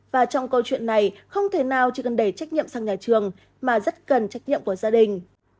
và trong câu chuyện này không thể nào chỉ cần để trách nhiệm sang nhà trường mà rất cần trách nhiệm của gia đình